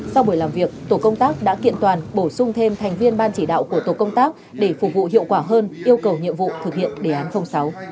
sau buổi làm việc tổ công tác đã kiện toàn bổ sung thêm thành viên ban chỉ đạo của tổ công tác để phục vụ hiệu quả hơn yêu cầu nhiệm vụ thực hiện đề án sáu